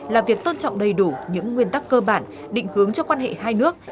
là việc tôn trọng đầy đủ những nguyên tắc cơ bản định hướng cho quan hệ hai nước